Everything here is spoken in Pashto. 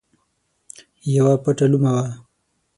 یوه پټه لومه وه.